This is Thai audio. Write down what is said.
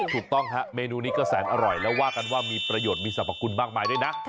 ถูกต้องฮะเมนูนี้ก็แสนอร่อยแล้วว่ากันว่ามีประโยชน์มีสรรพคุณมากมายด้วยนะ